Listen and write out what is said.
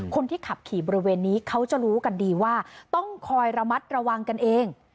คนที่ขับขี่บริเวณนี้เขาจะรู้กันดีว่าต้องคอยระมัดระวังกันเอง